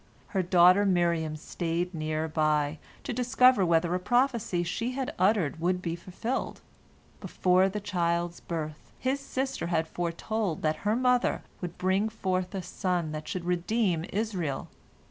Her daughter Miriam stayed near by, to discover whether a prophecy she had uttered would be fulfilled. Before the child's birth, his sister had foretold that her mother would bring forth a son that should redeem Israel.